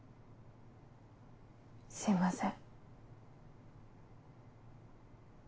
すいません。